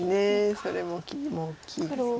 それも切りも大きいですよね。